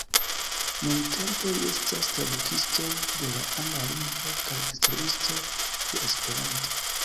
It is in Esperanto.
Nuntempe li estas tradukisto de la Angla Lingvo kaj Instruisto de Esperanto.